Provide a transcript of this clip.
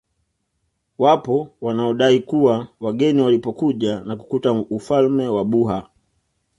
Wapo wanaodai kuwa wageni walipokuja na kukuta ufalme wa Buha